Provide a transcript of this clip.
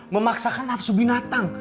memaksakan nafsu binatang